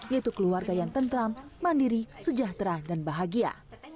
yaitu keluarga yang tentram mandiri sejahtera dan bahagia